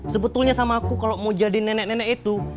sebetulnya sama aku kalau mau jadi nenek nenek itu